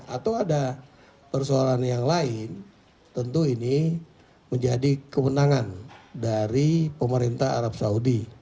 atau ada persoalan yang lain tentu ini menjadi kewenangan dari pemerintah arab saudi